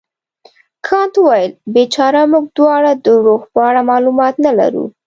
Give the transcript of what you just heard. کانت وویل بیچاره موږ دواړه د روح په اړه معلومات نه لرو.